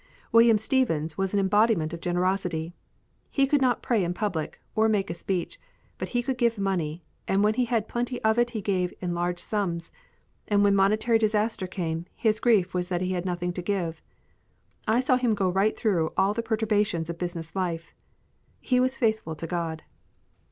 Wm. Stevens was an embodiment of generosity. He could not pray in public, or make a speech; but he could give money, and when he had plenty of it he gave in large sums, and when monetary disaster came, his grief was that he had nothing to give. I saw him go right through all the perturbations of business life. He was faithful to God.